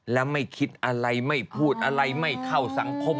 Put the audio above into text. และไม่คิดอะไรไม่พูดอะไรไม่เข้าสังคม